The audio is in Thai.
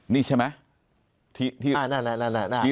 นี่ใช่ไหม